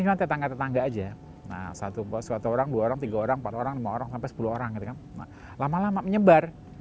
ini tetangga tetangga aja nah satu orang dua orang tiga orang empat orang lima orang sampai sepuluh orang lama lama menyebar